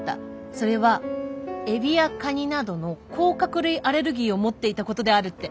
それはエビやカニなどの甲殻類アレルギーを持っていたことである」って！